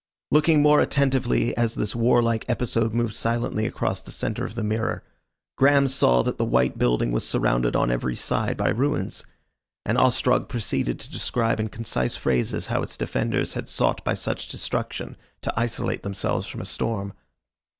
Looking more attentively as this warlike episode moved silently across the centre of the mirror, Graham saw that the white building was surrounded on every side by ruins, and Ostrog proceeded to describe in concise phrases how its defenders had sought by such destruction to isolate themselves from a storm.